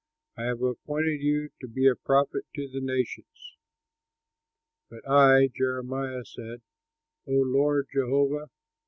I have appointed you to be a prophet to the nations." But I (Jeremiah) said: "O Lord Jehovah!